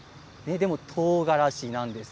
でも、とうがらしなんです。